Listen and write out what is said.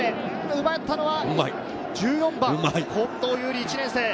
奪ったのは１４番・近藤侑璃、１年生。